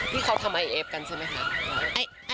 ที่เขาทำไอเอฟกันใช่ไหมคะ